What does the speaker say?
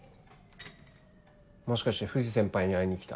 もしかして藤先輩に会いに来た？